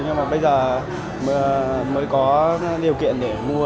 nhưng mà bây giờ mới có điều kiện để mua